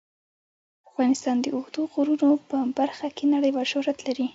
افغانستان د اوږدو غرونو په برخه کې نړیوال شهرت لري.